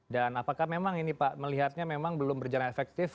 dan apakah memang ini pak melihatnya memang belum berjalan efektif